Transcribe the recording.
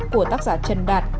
của tác giả trần đạt